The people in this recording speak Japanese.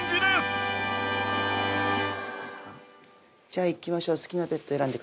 じゃあいきましょう。